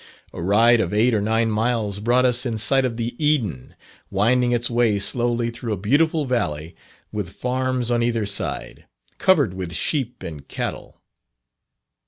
A ride of eight or nine miles brought us in sight of the Eden, winding its way slowly through a beautiful valley, with farms on either side, covered with sheep and cattle.